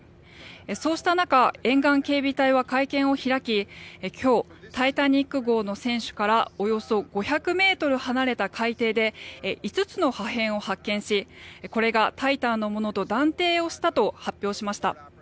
そうした中、沿岸警備隊は会見を開き今日「タイタニック号」の船首からおよそ５００ｍ離れた海底で５つの破片を発見しこれが「タイタン」のものと断定をしたと発表しました。